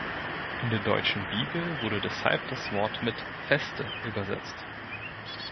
In der deutschen Bibel wurde deshalb das Wort mit ‚Feste‘ übersetzt.